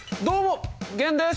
どうも！